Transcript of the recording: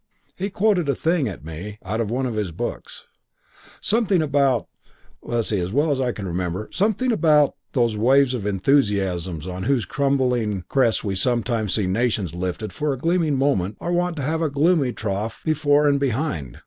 He quoted a thing at me out of one of his books. Something about (as well as I can remember it) something about how 'Those waves of enthusiasm on whose crumbling crests we sometimes see nations lifted for a gleaming moment are wont to have a gloomy trough before and behind.'